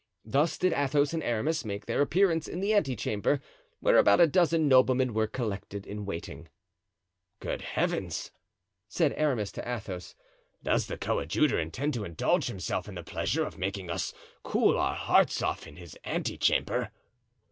Thus did Athos and Aramis make their appearance in the ante chamber, where about a dozen noblemen were collected in waiting. "Good heavens!" said Aramis to Athos, "does the coadjutor intend to indulge himself in the pleasure of making us cool our hearts off in his ante chamber?"